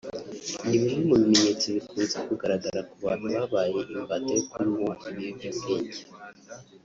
ni bimwe mu bimenyetso bikunze kugaragara ku bantu babaye imbata yo kunywa ibiyobyabwenge